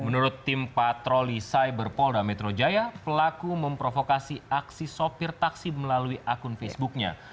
menurut tim patroli cyber polda metro jaya pelaku memprovokasi aksi sopir taksi melalui akun facebooknya